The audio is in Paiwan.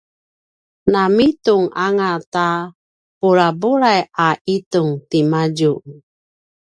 na mitung anga ta bulabulai a itung timadju